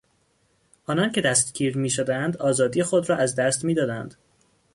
آنان که دستگیر میشدند آزادی خود را از دست میدادند.